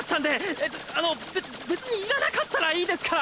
えっあのべ別にいらなかったらいいですから！